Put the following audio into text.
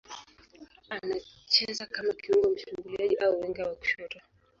Anacheza kama kiungo mshambuliaji au winga wa kushoto.